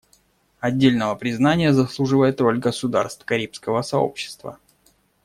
Отдельного признания заслуживает роль государств Карибского сообщества.